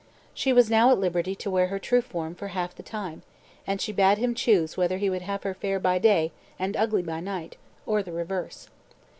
She was now at liberty to wear her true form for half the time, and she bade him choose whether he would have her fair by day, and ugly by night, or the reverse.